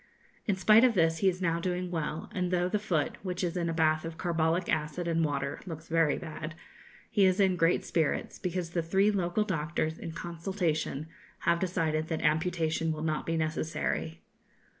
In spite of this he is now doing well; and though the foot, which is in a bath of carbolic acid and water, looks very bad, he is in great spirits, because the three local doctors, in consultation, have decided that amputation will not be necessary.